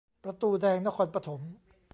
ประตูแดงนครปฐม